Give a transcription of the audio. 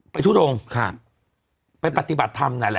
ไปทุดงไปปฏิบัติธรรมนั้นแหละ